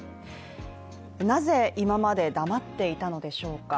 なぜ今まで黙っていたのでしょうか。